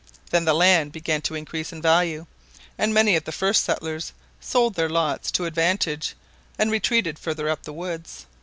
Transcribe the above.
Then the land began to increase in value, and many of the first settlers sold their lots to advantage, and retreated further up the woods.